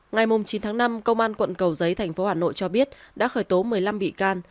ngày chín tháng năm công an quận cầu giấy thành phố hà nội cho biết đã khởi tố một mươi năm bị can